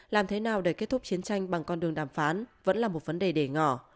làm thế nào để kết thúc chiến tranh bằng con đường đàm phán vẫn là một vấn đề để ngỏ